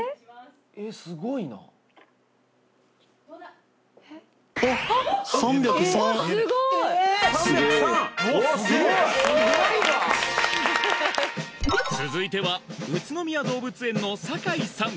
すごい続いては宇都宮動物園の酒井さん